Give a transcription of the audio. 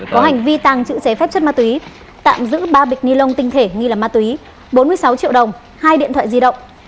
có hành vi tàng chữ chế phép chất ma túy tạm giữ ba bịch nilon tinh thể nghi là ma túy bốn mươi sáu triệu đồng hai điện thoại di động